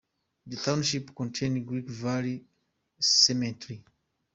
The township contains Green Valley Cemetery.